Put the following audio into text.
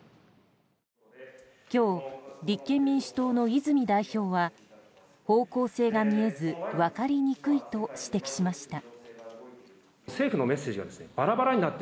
今日、立憲民主党の泉代表は方向性が見えず分かりにくいと指摘しました。